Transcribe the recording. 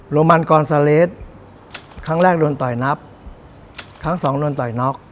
โรมันกอนซาเลสครั้งแรกโดนต่อยนับครั้งสองโดนต่อยน็อก